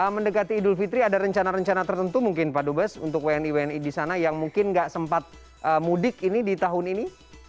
mendekati idul fitri ada rencana rencana tertentu mungkin pak dubes untuk wni wni di sana yang mungkin nggak sempat mudik ini di tahun ini